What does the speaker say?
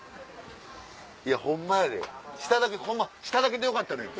いやホンマやで下だけホンマ下だけでよかったのよ。